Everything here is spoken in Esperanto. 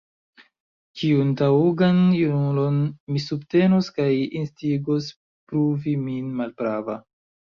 Ĉiun taŭgan junulon mi subtenos kaj instigos pruvi min malprava.